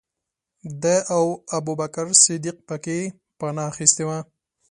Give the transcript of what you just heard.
ده او ابوبکر صدیق پکې پنا اخستې وه.